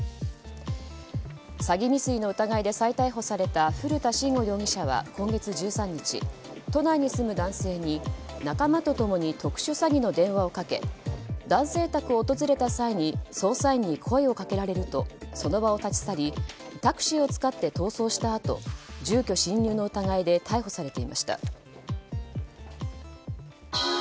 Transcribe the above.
詐欺未遂の疑いで再逮捕された古田真伍容疑者は今月１３日都内に住む男性に仲間と共に特殊詐欺の電話をかけ男性宅を訪れた際に捜査員に声をかけられるとその場を立ち去りタクシーを使って逃走したあと住居侵入の疑いで逮捕されていました。